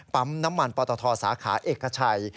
น้ำมันปตทสาขาเอกชัย